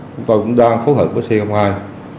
chúng ta cũng đang phối hợp với siêu hợp